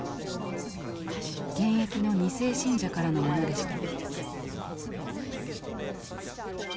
現役の２世信者からのものでした。